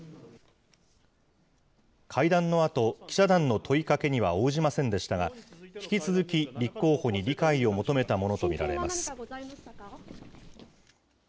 会談のあと、記者団の問いかけには応じませんでしたが、引き続き立候補に理解を求めたものと見られます。